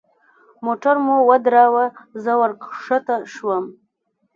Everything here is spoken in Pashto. موټر مو ودراوه زه وركښته سوم.